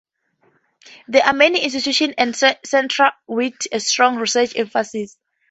There are many institutes and centres with a strong research emphasis.